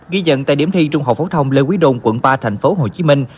ghi dận tại điểm thi trung học phổ thông lê quý đông quận ba thành phố hồ chí minh